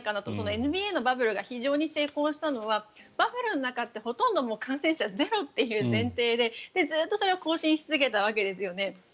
ＮＢＡのバブルが非常に成功したのはバブルの中はほとんど感染者ゼロという前提でずっとそれを更新し続けたわけですよね。